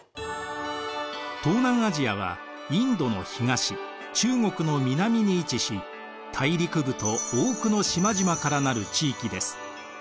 東南アジアはインドの東中国の南に位置し大陸部と多くの島々から成る地域です。